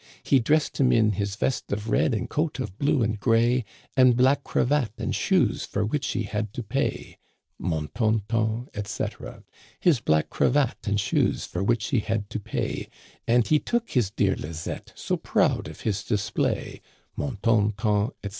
He dressed him in his vest of red and coat of blue and gray, And black cravat, and shoes for which he had to pay : Mon ton ton, etc. " His black cravat, and shoes for which he had to pay ; And he took his dear Lizett', so proud of his display : Mon ton ton, etc.